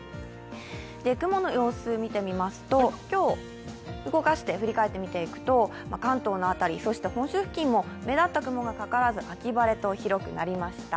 雲の様子、見てみますと、今日、動かして振り返って見ていくと関東の辺り、そして本州付近も目立った雲がかからず秋晴れと、広くなりました。